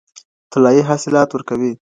طلايي حاصلات ورکوي.